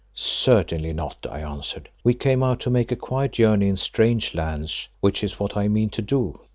"Certainly not," I answered. "We came out to make a quiet journey in strange lands, which is what I mean to do."